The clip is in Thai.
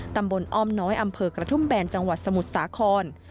อ้อมน้อยอำเภอกระทุ่มแบนจังหวัดสมุทรสาคร